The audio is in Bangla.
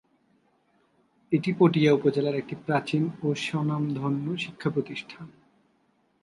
এটি পটিয়া উপজেলার একটি প্রাচীন ও স্বনামধন্য শিক্ষা প্রতিষ্ঠান।